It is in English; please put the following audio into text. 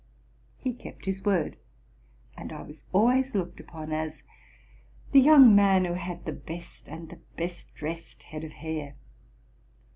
He kept his word, and I was always looked upon as the young man who had the best and the best dressed head of hair.